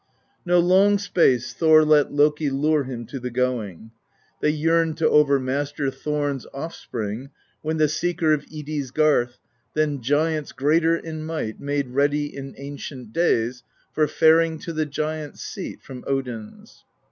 No long space Thor let Loki Lure him to the going: They yearned to overmaster Thorn's offspring, when the Seeker Of Idi's garth, than giants Greater in might, made ready In ancient days, for faring To the Giants' Seat, from Odin's.